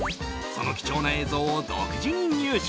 その貴重な映像を独自に入手。